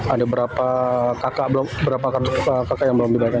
ada berapa kakak yang belum dibayarkan